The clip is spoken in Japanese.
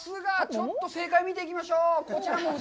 ちょっと正解を見ていきましょう。